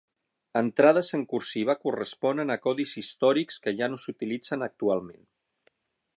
Entrades en cursiva corresponen a codis històrics, que ja no s'utilitzen actualment.